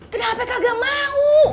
kenapa kagak mau